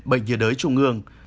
bệnh nhiệt đới trung ương